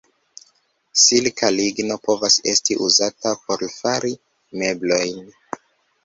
Silka ligno povas esti uzata por fari meblojn.